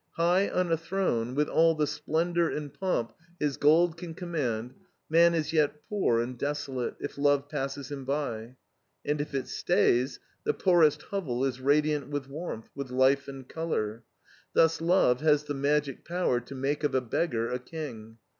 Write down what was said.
High on a throne, with all the splendor and pomp his gold can command, man is yet poor and desolate, if love passes him by. And if it stays, the poorest hovel is radiant with warmth, with life and color. Thus love has the magic power to make of a beggar a king.